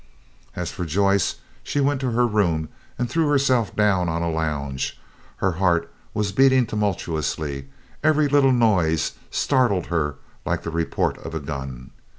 As for Joyce, she went to her room and threw herself down on a lounge. Her heart was beating tumultuously; every little noise startled her like the report of a gun.